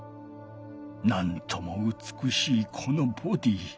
なんともうつくしいこのボディー。